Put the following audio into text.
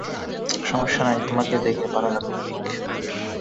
সমস্যা নাই তোমাকে দেখে ভালো লাগল, ভিক।